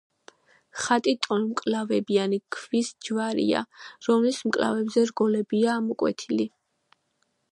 ხატი ტოლმკლავებიანი ქვის ჯვარია, რომლის მკლავებზე რგოლებია ამოკვეთილი.